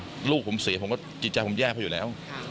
หรือลูกผมเสียจิตใจผมแย่ปะอยู่แล้ว